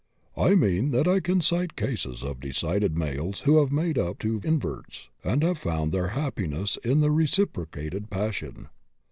I mean that I can cite cases of decided males who have made up to inverts, and have found their happiness in the reciprocated passion.